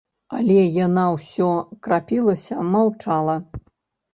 Але яна ўсё крапілася, маўчала.